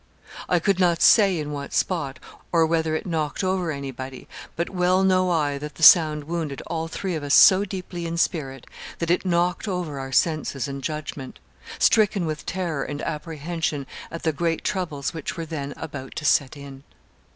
I could not say in what spot, or whether it knocked over anybody; but well know I that the sound wounded all three of us so deeply in spirit that it knocked over our senses and judgment, stricken with terror and apprehension at the great troubles which were then about to set in.